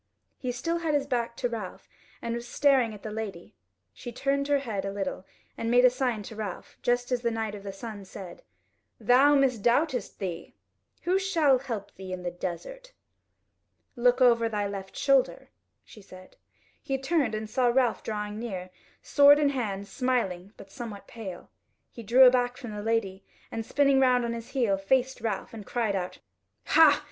He still had his back to Ralph and was staring at the lady; she turned her head a little and made a sign to Ralph, just as the Knight of the Sun said: "Thou misdoubtest thee? Who shall help thee in the desert?" "Look over thy left shoulder," she said. He turned, and saw Ralph drawing near, sword in hand, smiling, but somewhat pale. He drew aback from the Lady and, spinning round on his heel, faced Ralph, and cried out: "Hah!